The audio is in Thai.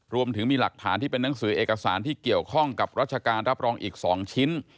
รวมถึงมีหลักฐานที่เป็นนังสือเอกสารที่เกี่ยวข้องกับราชการรับรองอีก๒ชิ้น